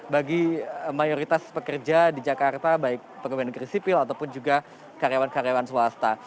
bagi mayoritas pekerja di jakarta baik pegawai negeri sipil ataupun juga karyawan karyawan swasta